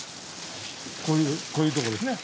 こういうこういうとこですね。